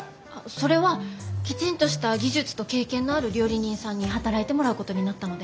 それはきちんとした技術と経験のある料理人さんに働いてもらうことになったので。